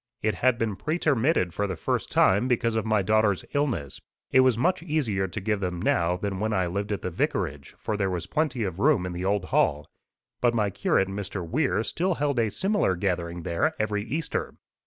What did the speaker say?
It had been pretermitted for the first time, because of my daughter's illness. It was much easier to give them now than when I lived at the vicarage, for there was plenty of room in the old hall. But my curate, Mr. Weir, still held a similar gathering there every Easter.